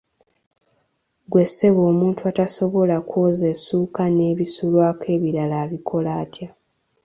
Ggwe ssebo omuntu atasobola kwoza essuuka n'ebisulwako ebirala abikola atya?